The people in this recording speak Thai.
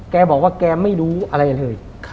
แกบอกว่าแกไม่รู้อะไรเลย